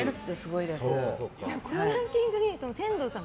このランキングでいうと天童さん